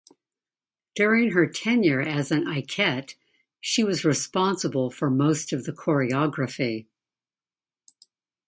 During her tenure as an Ikette she was responsible for most of the choreography.